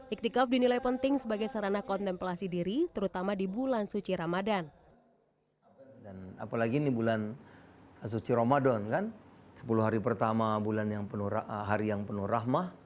iktikaf dinilai penting sebagai sesuatu yang berharga